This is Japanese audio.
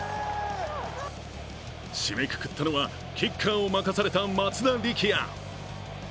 締めくくったのはキッカーを任された松田力也。